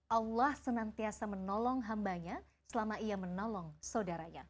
allah senantiasa menolong hambanya selama ia menolong saudaranya